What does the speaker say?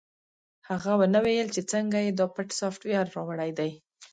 هغه ونه ویل چې څنګه یې دا پټ سافټویر راوړی دی